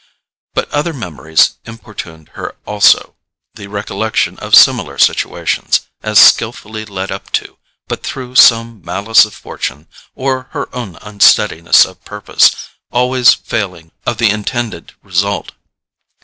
But other memories importuned her also; the recollection of similar situations, as skillfully led up to, but through some malice of fortune, or her own unsteadiness of purpose, always failing of the intended result.